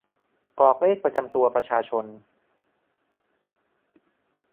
กรอกเลขประจำตัวประชาชน